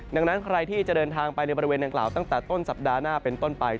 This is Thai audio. ดังนั้นใครที่จะเดินทางไปในบริเวณดังกล่าวตั้งแต่ต้นสัปดาห์หน้าเป็นต้นไป